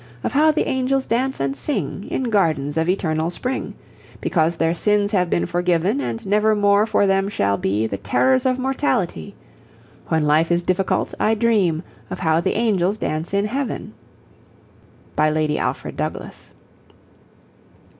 Of how the angels dance and sing In gardens of eternal spring, Because their sins have been forgiven.... And never more for them shall be The terrors of mortality. When life is difficult, I dream Of how the angels dance in Heaven.... [Footnote 2: By Lady Alfred Douglas.